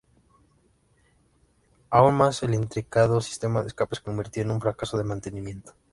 Aún más, el intrincado sistema de escape se convirtió en un fracaso de mantenimiento.